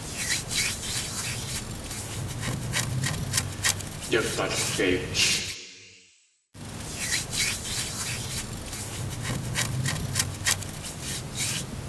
Yag̲aljeich!